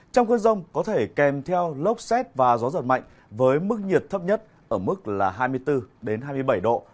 trong cơn rông có thể kèm theo lốc xét và gió giật mạnh với mức nhiệt thấp nhất ở mức là hai mươi bốn hai mươi bảy độ